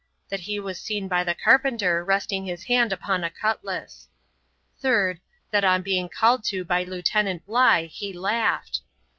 That he was seen by the carpenter resting his hand upon a cutlass. Third. That on being called to by Lieutenant Bligh, he laughed.